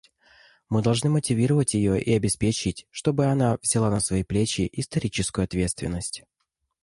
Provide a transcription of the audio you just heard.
Мы должны мотивировать ее и обеспечить, чтобы она взяла на свои плечи историческую ответственность.